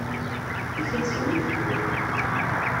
Ikad sani leḥḥuɣ.